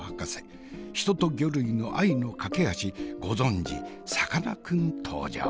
ヒトとギョ類の愛の架け橋ご存じさかなクン登場！